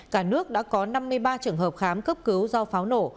cả nước đã có năm mươi ba trường hợp khám cấp cứu do pháo nổ